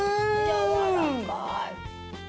やわらかい。